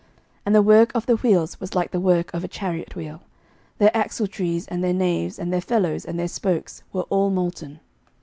11:007:033 And the work of the wheels was like the work of a chariot wheel: their axletrees, and their naves, and their felloes, and their spokes, were all molten.